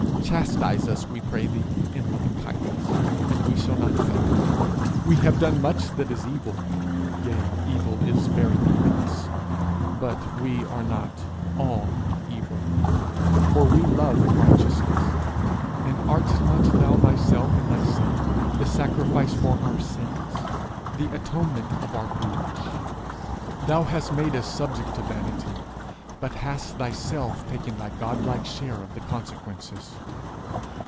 Chastise us, we pray thee, in loving kindness, and we shall not faint. We have done much that is evil, yea, evil is very deep in us, but we are not all evil, for we love righteousness; and art not thou thyself, in thy Son, the sacrifice for our sins, the atonement of out breach? Thou hast made us subject to vanity, but hast thyself taken thy godlike share of the consequences.